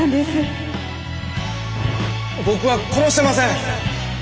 僕は殺してません！